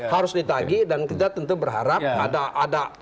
harus ditagi dan kita tentu berharap ada